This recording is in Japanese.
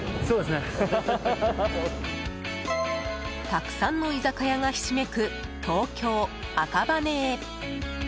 たくさんの居酒屋がひしめく東京・赤羽へ。